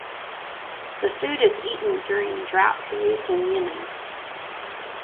The food is eaten during drought periods in Yemen.